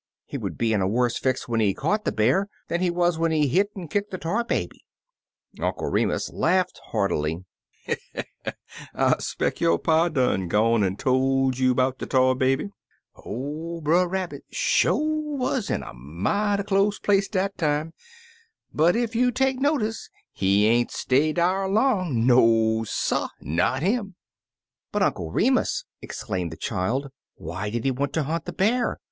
He would be in a worse fix when he caught the bear than he was when he hit and kicked the tar baby." Uncle Remus laughed heartily. "Pspeck yo' pa done gone an' tol' you 'bout de tar baby, or Brer Rabbit sho' wuz in a mighty 6 Brother Rabbit's Bear Hunt close place dat time, but cf you take notice, he ain't stay dar long. No, suhl Not him!'' "But, Uncle Remus!" exclaimed the child, "why did he want to hunt the bear?